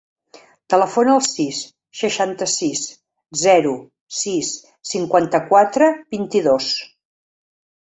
Telefona al sis, seixanta-sis, zero, sis, cinquanta-quatre, vint-i-dos.